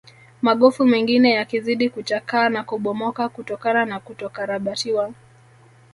Magofu mengine yakizidi kuchakaa na kubomoka kutokana na kutokarabatiwa